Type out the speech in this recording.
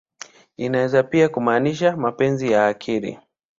Inaweza pia kumaanisha "mapenzi ya akili.